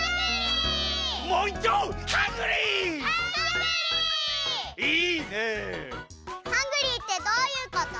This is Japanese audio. ハングリーってどういうこと？